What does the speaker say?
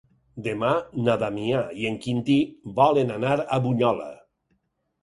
Demà na Damià i en Quintí volen anar a Bunyola.